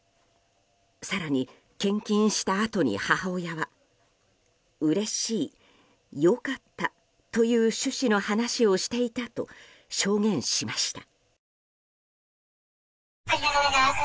更に、献金したあとに母親はうれしい、良かったという趣旨の話をしていたと証言しました。